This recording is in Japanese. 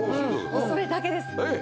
もうそれだけです